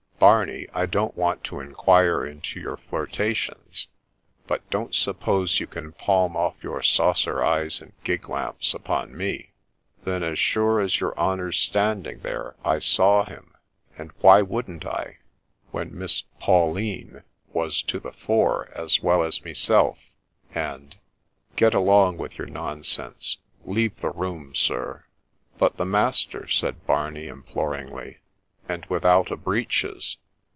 — Barney, I don't want to inquire into your flirtations ; but don't suppose you can palm off your saucer eyes and gig lamps upon me !'' Then, as sure as your honour 's standing there I saw him : and why wouldn't I, when Miss Pauline was to the fore as well as meself, and '' Get along with your nonsense, — leave the room, sir !'' But the master ?' said Barney, imploringly ;' and without a breeches